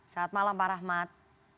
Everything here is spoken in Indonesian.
saat malam pak rahmat